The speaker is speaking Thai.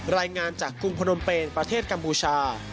รายงานจากกรุงพนมเปนประเทศกัมพูชา